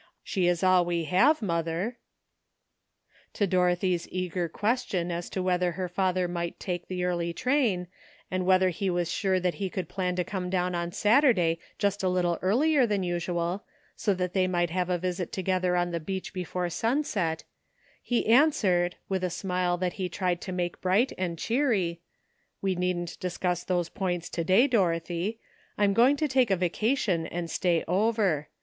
She is all we have, mother." To Dorothy's eager question as to whether her father must take the early train, and whether he was sure that he could plan to come down on Saturday just a little earlier than usual, so that they might have a visit together on the beach before sunset, he an swered, with a smile that he tried to make bright and cheery :'' We needn't discuss those points to day, Dorothy ; I am going to take a vacation and stay over.